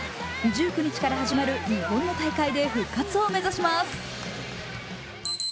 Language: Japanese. １９日から始まる日本の大会で復活を目指します。